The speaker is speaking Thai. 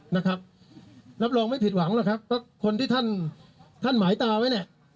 นะครับรับรองไม่ผิดหวังหรอกครับเพราะคนที่ท่านท่านหมายตาไว้เนี่ย